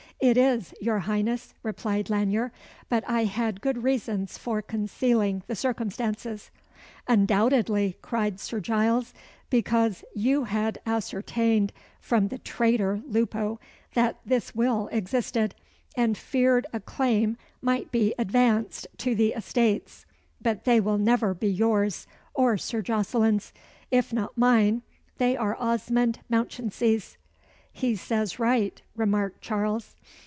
"It is, your Highness," replied Lanyere; "but I had good reasons for concealing the circumstances." "Undoubtedly," cried Sir Giles; "because you had ascertained from the traitor Lupo that this will existed, and feared a claim might be advanced to the estates but they will never be yours, or Sir Jocelyn's. If not mine, they are Osmond Mounchensey's." "He says right," remarked Charles.